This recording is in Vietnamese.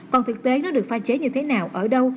còn thực tế nó được pha chế như thế nào ở đâu